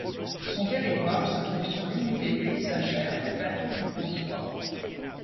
Son territoire se trouve sur l'unité paysagère du Plateau du Baugeois.